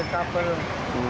dibuka terus ada yang lagi ini